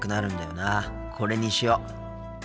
これにしよう。